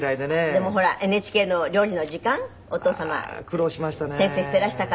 でもほらＮＨＫの「料理の時間」お父様先生していらしたから。